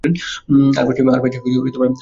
তারা পাঁচটি অ্যালবাম প্রকাশ করেছিল।